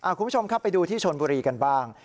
คุณผู้ชมครับไปดูที่ชนบุรีกันบ้าง